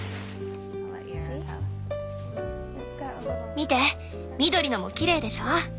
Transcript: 見て緑のもきれいでしょ。